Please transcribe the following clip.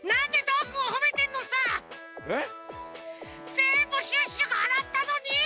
ぜんぶシュッシュがあらったのに！